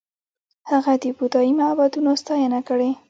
هغه د بودايي معبدونو ستاینه کړې